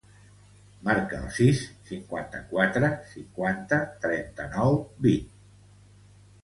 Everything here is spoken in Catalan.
Marca el sis, cinquanta-quatre, cinquanta, trenta-nou, vint.